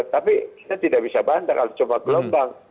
tapi kita tidak bisa bandar kalau cuma gelombang